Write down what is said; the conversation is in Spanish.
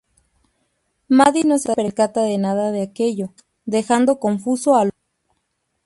Maddie no se percata de nada de aquello, dejando confuso al hombre.